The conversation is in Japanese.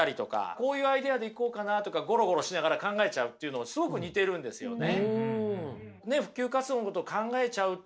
こういうアイデアでいこうかなとかゴロゴロしながら考えちゃうっていうのすごく似てるんですよね。